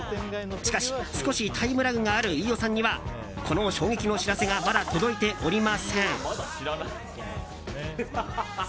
しかし少しタイムラグがある飯尾さんにはこの衝撃の知らせがまだ届いておりません。